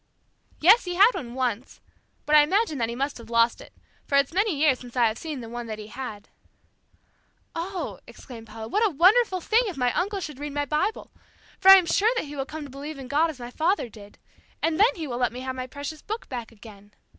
"Yes, he had one once, but I imagine that he must have lost it, for it's many years since I have seen the one that he had." "Oh," exclaimed Paula, "what a wonderful thing if my uncle should read my Bible. For I am sure that he will come to believe in God as my father did, and then he will let me have my precious Book back again.